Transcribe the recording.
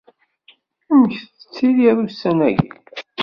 Amek tettiliḍ ussan-ayi?